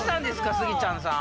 スギちゃんさん。